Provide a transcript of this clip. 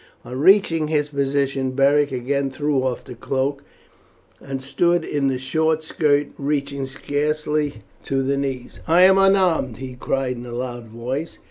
On reaching his position Beric again threw off the cloak, and stood in the short skirt reaching scarce to the knees. "I am unarmed," he cried in a loud voice.